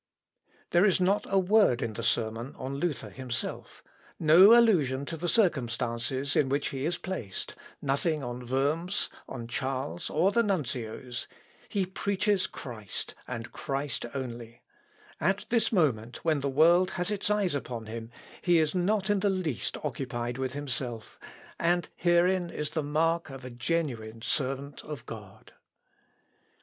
" L. Op. (L.) xii, p. 485. There is not a word in the sermon on Luther himself; no allusion to the circumstances in which he is placed; nothing on Worms, on Charles, or the nuncios; he preaches Christ, and Christ only; at this moment, when the world has its eyes upon him, he is not in the least occupied with himself; and herein is the mark of a genuine servant of God.